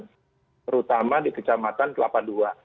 terutama di kecamatan kelapa ii